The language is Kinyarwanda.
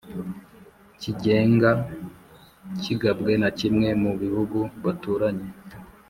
cyigenga kigabwe na kimwe mu bihugu baturanye.